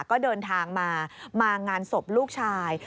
ก็เดินทางมามางานศพลูกชาย